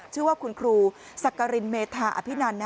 ชื่อว่าคุณครูสักกรินเมธาอภินัน